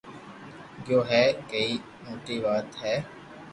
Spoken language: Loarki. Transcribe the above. گيو ھي ڪيتي موٽي ٽات ھي